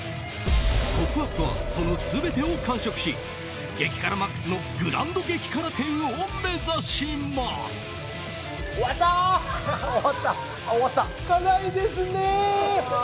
「ポップＵＰ！」はその全てを完食し激辛マックスのグランド激辛店を目指します。